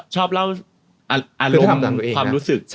ชอบเล่าอารมณ์ความรู้สึก